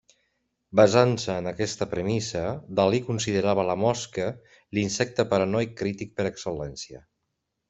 Basant-se en aquesta premissa, Dalí considerava la mosca l'insecte paranoic-crític per excel·lència.